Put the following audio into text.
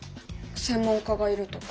専門家がいるとか？